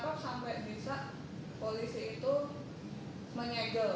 sebenarnya yang kenapa sampai bisa polisi itu menyegel